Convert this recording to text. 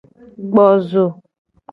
Gbo zo.